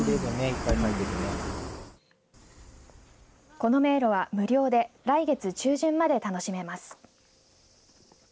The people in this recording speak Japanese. この迷路は無料で来月中旬まで楽しめます。